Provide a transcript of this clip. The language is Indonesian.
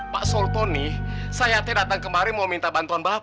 pak sultoni saya datang kemari mau minta bantuan bapak